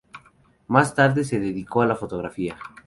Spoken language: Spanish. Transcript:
Más tarde se dedicó a la fotografía.